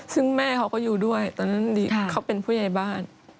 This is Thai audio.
ซึ่งแม่เขาก็อยู่ด้วยตอนนั้นเขาเป็นผู้ใหญ่บ้าน